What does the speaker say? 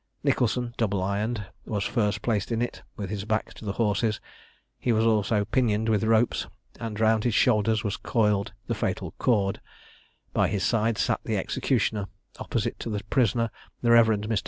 Nicholson, double ironed, was first placed in it, with his back to the horses; he was also pinioned with ropes, and round his shoulders was coiled the fatal cord; by his side sat the executioner; opposite to the prisoner the Rev. Mr.